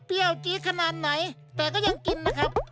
เปรี้ยวจี๊กขนาดไหนแต่ก็ยังกินนะครับ